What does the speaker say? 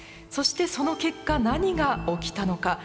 そしてその結果何が起きたのか。